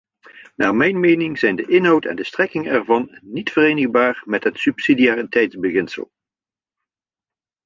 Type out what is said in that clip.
Naar mijn mening zijn de inhoud en strekking ervan niet verenigbaar met het subsidiariteitsbeginsel.